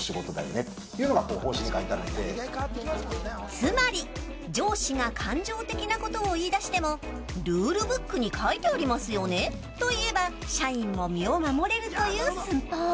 つまり上司が感情的なことを言い出してもルールブックに書いてありますよね、と言えば社員も実を身を守れるという寸法。